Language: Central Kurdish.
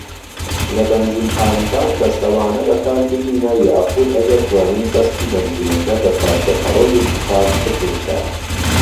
لە بەنزینخانەکان، دەستەوانە بەکاربهینە یاخود ئەگەر توانیت دەسکی بەنزینەکە بە پارچە پەڕۆیەکی پاک بپێچە.